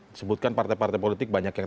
disebutkan partai partai politik banyak yang